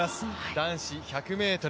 男子１００ｍ。